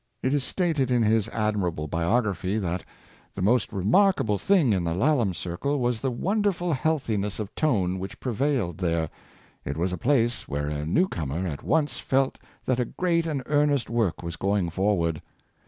It is stated in his admirable biograph}^ that " the most remarkable thing in the Laleham circle was the wonderful healthiness of tone which prevailed there, It was a place where a new comer at once felt that a great and earnest work was going forward.